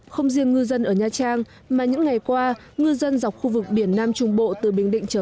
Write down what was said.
không riêng là tàu của anh lê kim hùng nhưng tàu của anh lê kim hùng đã được sản lượng khá